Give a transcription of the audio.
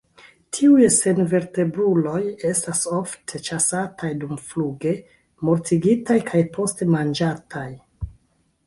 Tiuj senvertebruloj estas ofte ĉasataj dumfluge, mortigitaj kaj poste manĝataj.